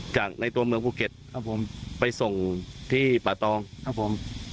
จากในตัวเมืองภูเก็ตครับผมไปส่งที่ป่าตองครับผม